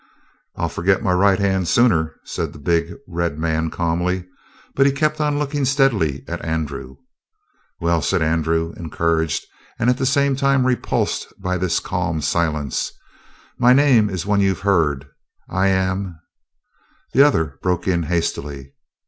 "I'll forget my right hand sooner," said the big, red man calmly. But he kept on looking steadily at Andrew. "Well," said Andrew, encouraged and at the same time repulsed by this calm silence, "my name is one you've heard. I am " The other broke in hastily.